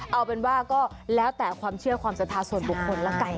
เอาเป็นว่าก็แล้วแต่ความเชื่อความศรัทธาส่วนบุคคลแล้วกัน